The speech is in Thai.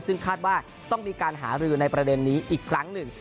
ซึ่งคาดว่าจะต้องมีการหารือในประเด็นนี้อีกครั้งหนึ่ง